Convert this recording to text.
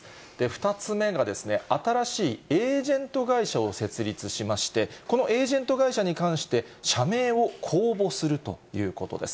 ２つ目が、新しいエージェント会社を設立しまして、このエージェント会社に関して、社名を公募するということです。